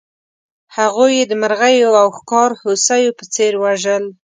هغوی یې د مرغیو او ښکار هوسیو په څېر وژل.